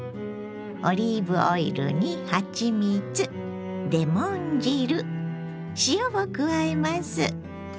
オリーブオイルにはちみつレモン汁塩を加えます。